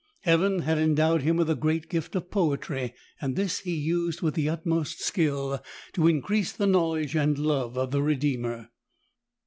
Heaven had endowed him with the great gift of poetry, and this he used with the utmost skill to increase the knowledge and love of the Redeemer.